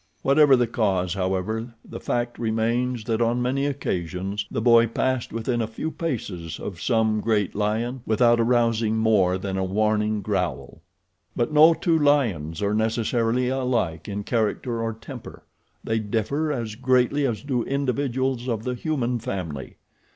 Whatever the cause, however, the fact remains that on many occasions the boy passed within a few paces of some great lion without arousing more than a warning growl. But no two lions are necessarily alike in character or temper. They differ as greatly as do individuals of the human family.